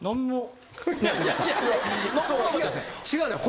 違うねん。